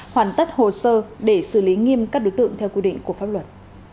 hoàn tất hồ sơ để xử lý nghiêm các đối tượng theo quy định của pháp luật